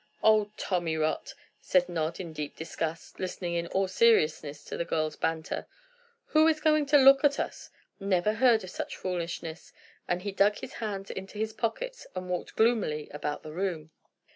"Oh, tommyrot," said Ned in deep disgust, listening in all seriousness to the girls' banter. "Who is going to look at us? Never heard of such foolishness!" And he dug his hands into his pockets, and walked gloomily about the room.